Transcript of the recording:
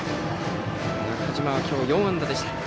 中島は今日４安打でした。